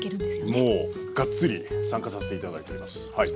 もうがっつり参加させて頂いておりますはい。